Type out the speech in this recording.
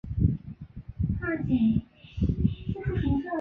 筱之井市是位于长野县旧更级郡域北东部地区的市。